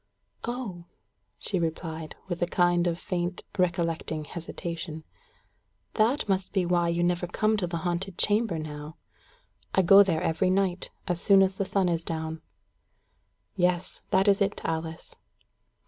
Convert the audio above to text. "Oh!" she replied, with a kind of faint recollecting hesitation. "That must be why you never come to the haunted chamber now. I go there every night, as soon as the sun is down." "Yes, that is it, Alice."